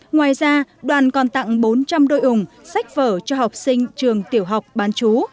ngoài ra đoàn còn tặng bốn trăm linh đôi ủng sách vở cho học sinh trường tiểu học bán chú